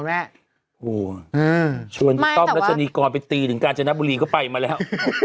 อือไม่แต่ว่าชวนต้องรัฐนียกรไปตีถึงการชนะบุรีก็ไปมาแล้ว